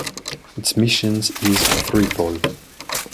Its mission is threefold.